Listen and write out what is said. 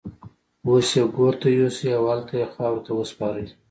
اوس يې ګور ته يوسئ او هلته يې خاورو ته وسپارئ.